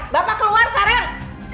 bapak keluar sekarang